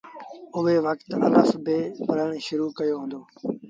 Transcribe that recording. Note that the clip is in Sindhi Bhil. اُئي وکت الڦ بي پڙهڻ شرو ڪيو هُݩدو۔